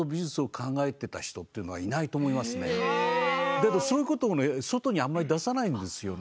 でもそういうことをね外にあんまり出さないんですよね。